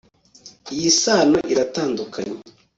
Iyi sano iratandukanye